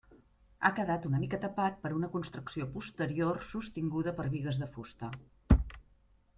Ha quedat una mica tapat per una construcció posterior sostinguda per bigues de fusta.